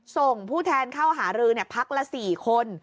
ส่งผู้แทนเข้าหารือพักละ๔คน